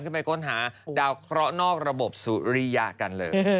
ไปค้นหาดาวเคราะห์นอกระบบสุริยากันเลย